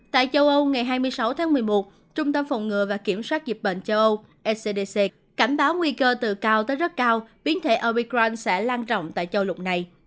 tại châu âu ngày hai mươi sáu tháng một mươi một trung tâm phòng ngừa và kiểm soát dịch bệnh châu âu ecdc cảnh báo nguy cơ từ cao tới rất cao biến thể obicrand sẽ lan trọng tại châu lục này